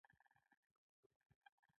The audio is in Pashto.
هر دفتر چی ورشي پشتون په دري احکام ورکوي